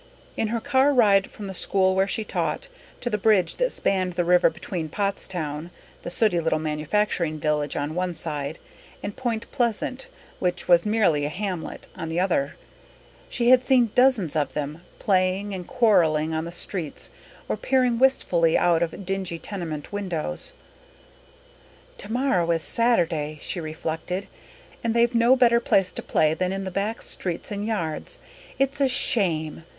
In her car ride from the school where she taught to the bridge that spanned the river between Pottstown, the sooty little manufacturing village on one side, and Point Pleasant, which was merely a hamlet, on the other, she had seen dozens of them, playing and quarrelling on the streets or peering wistfully out of dingy tenement windows. "Tomorrow is Saturday," she reflected, "and they've no better place to play in than the back streets and yards. It's a shame.